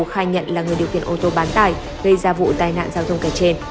khai nhận là người điều khiển ô tô bán tải gây ra vụ tai nạn giao thông kẻ trên